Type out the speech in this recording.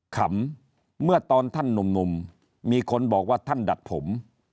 ขำเมื่อตอนท่านหนุ่มมีคนบอกว่าท่านดัดผม